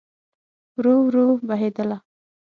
ورو، ورو بهیدله